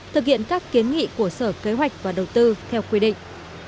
thực hiện các kiến nghị của sở kế hoạch và đầu tư theo quy định